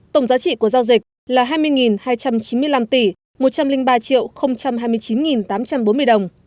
tổng giá trị của giao dịch là hai mươi hai trăm chín mươi năm tỷ một trăm linh ba hai mươi chín tám trăm bốn mươi đồng